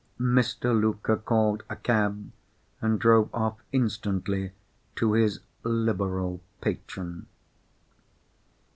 Mr. Luker called a cab, and drove off instantly to his liberal patron.